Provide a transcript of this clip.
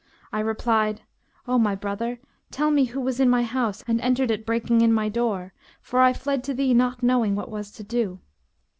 I replied, 'O my brother, tell me who was in my house and entered it breaking in my door; for I fled to thee not knowing what was to do.'